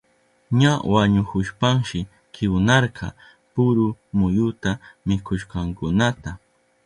Ña wañuhushpanshi kiwnarka puru muyuta mikushkankunata.